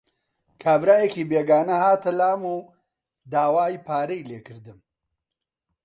کابرایەکی بێگانە هاتە لام و داوای پارەی لێ کردم.